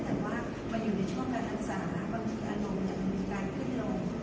แต่ว่ามันอยู่ในช่วงการรักษาบางทีอารมณ์มันมีการขึ้นลง